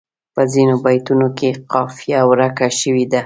په ځینو بیتونو کې قافیه ورکه شوې ده.